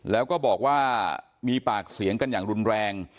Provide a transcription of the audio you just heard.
แล้วก็บอกว่ามีปากเสียงกันอย่างรุนแรง